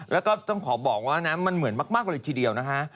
แล้วก็ต้องขอบอกว่านะมันเหมือนมากเลยทีเดียวนะฮะ